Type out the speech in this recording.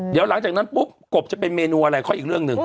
เดี๋ยวหลังจากนั้นปุ๊บกบจะเป็นเมนูอะไรค่อยอีกเรื่องหนึ่ง